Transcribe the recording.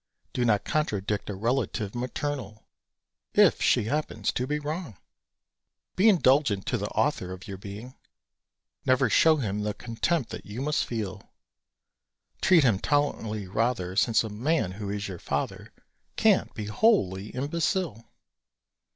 Do not contradict a relative maternal, If she happens to be wrong! Be indulgent to the author of your being; Never show him the contempt that you must feel; Treat him tolerantly, rather, Since a man who is your father Can't be wholly imbecile!